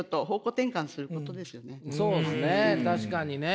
確かにね。